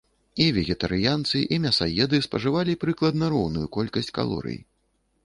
І вегетарыянцы, і мясаеды спажывалі прыкладна роўную колькасць калорый.